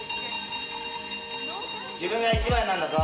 自分が一番なんだぞ！